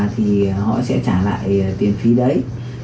thì họ sẽ trả lại tiền phí đấy